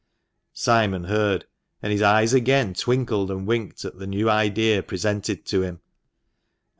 Simon heard, and his eyes again twinkled and winked at the new idea presented to him.